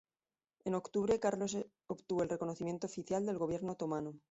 En octubre, Carlos obtuvo el reconocimiento oficial del Gobierno otomano.